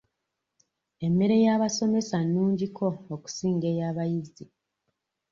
Emmere y'abasomesa nnungi ko okusinga ey'abayizi.